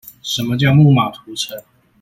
什麼叫木馬屠城